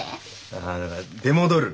あだから「出戻る」。